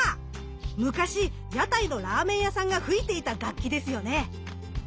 昔屋台のラーメン屋さんが吹いていた楽器ですよね！